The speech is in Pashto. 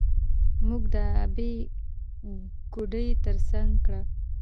موږ د ابۍ ګودى تر څنګ کړه.